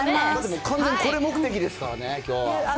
特に完全にこれ目的ですからね、きょうは。